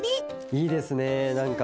いいですねなんか。